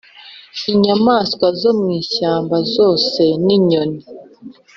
inyamaswa zo mu ishyamba zose, n’inyoni